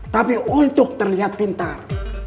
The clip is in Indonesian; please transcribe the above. tapi untuk terlihat pintar